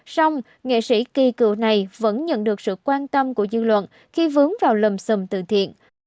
song nghệ sĩ kỳ cựu này vẫn nhận được sự quan tâm của dư luận khi vướng vào lầm xùm từ thiện